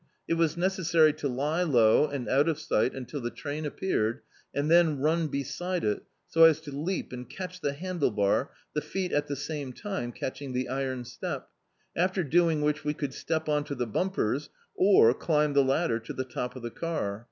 It was necessary to lie low, and out of si^t, until the o^n appeared, and then run beside it, so as to leap and catch the handle bar, the feet at the same time catching the iron step; after doing which we could step on to the bumpers, or climb the ladder to the top of the car.